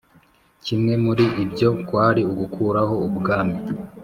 kimwe muri ibyo kwari ugukuraho ubwami.